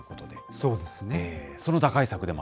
そうですよね。